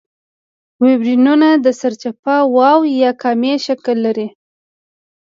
ویبریونونه د سرچپه واو یا کامي شکل لري.